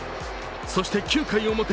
そして、９回表。